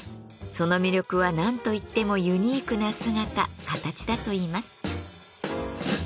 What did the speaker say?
その魅力は何と言ってもユニークな姿形だといいます。